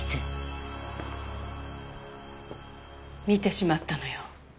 見てしまったのよ。